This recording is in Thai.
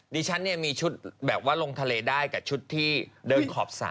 ดิฉันเนี่ยมีชุดแบบว่าลงทะเลได้กับชุดที่เดินขอบสระ